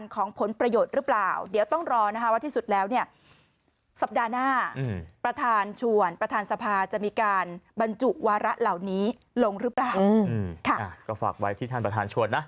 ก็ฝากไว้ที่ท่านประธานชวนนะ